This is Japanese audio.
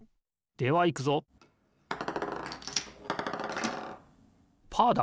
ではいくぞパーだ！